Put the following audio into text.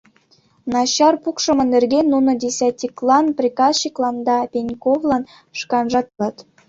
Начар пукшымо нерген нуно десятниклан, приказчиклан да Пеньковлан шканжат ойлат.